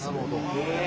へえ。